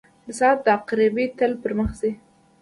• د ساعت عقربې تل پر مخ ځي.